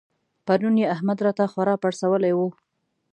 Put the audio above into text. پرون يې احمد راته خورا پړسولی وو.